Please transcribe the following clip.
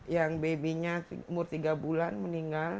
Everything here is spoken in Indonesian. yang bayinya umur tiga bulan meninggal